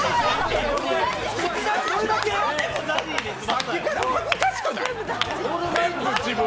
さっきから恥ずかしくない？